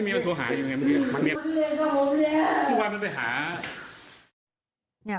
ไม่ต้องไปหา